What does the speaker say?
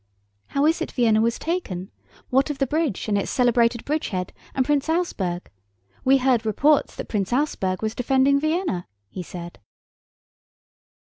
"How is it Vienna was taken? What of the bridge and its celebrated bridgehead and Prince Auersperg? We heard reports that Prince Auersperg was defending Vienna?" he said.